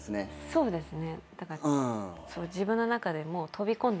そうですね。